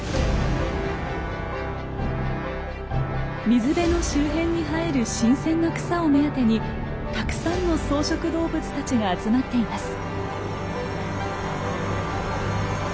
水辺の周辺に生える新鮮な草を目当てにたくさんの草食動物たちが集まっています。